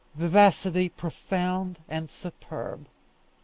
Vivacity profound and superb!